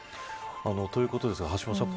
ということですが、橋下さん